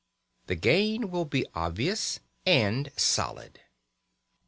The gain will be obvious and solid.